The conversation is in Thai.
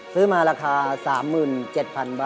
ซื้อมาราคา๓๗๐๐๐บาท